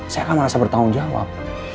saya akan merasa bertanggung jawab